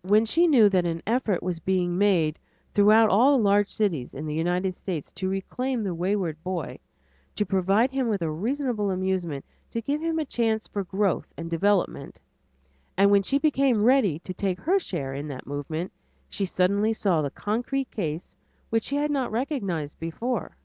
When she knew that an effort was being made throughout all the large cities in the United States to reclaim the wayward boy, to provide him with reasonable amusement, to give him his chance for growth and development, and when she became ready to take her share in that movement, she suddenly saw the concrete case which she had not recognized before.